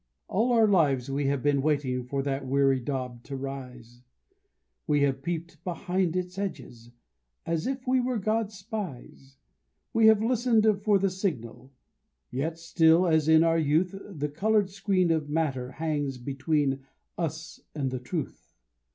All our lives we have been waiting for that weary daub to rise; We have peeped behind its edges, "as if we were God's spies;" We have listened for the signal; yet still, as in our youth, The colored screen of matter hangs between us and the truth.